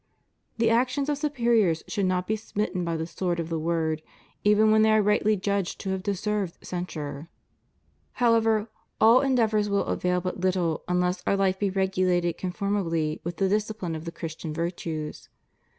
The actions of superiors should not be smitten by the sword of the word, even when they are rightly judged to have deserved censure." * However, all endeavors will avail but little unless our life be regulated conformably with the discipline of the Christian virtues.